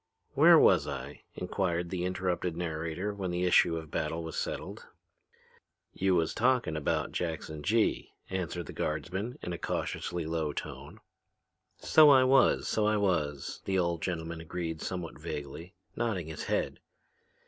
"Where was I?" inquired the interrupted narrator when the issue of battle was settled. "You was talking about Jackson Gee," answered the guardsman in a cautiously low tone. "So I was, so I was," the old gentleman agreed somewhat vaguely, nodding his head.